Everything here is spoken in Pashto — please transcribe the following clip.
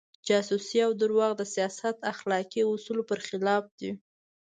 جاسوسي او درواغ د سیاست اخلاقي اصولو پر خلاف دي.